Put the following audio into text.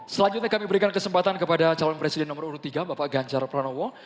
selanjutnya kami berikan kesempatan kepada calon presiden nomor urut tiga bapak ganjar pranowo